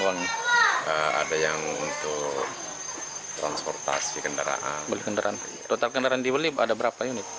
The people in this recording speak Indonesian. uang ada yang untuk transportasi kendaraan beli kendaraan total kendaraan dibeli ada berapa unit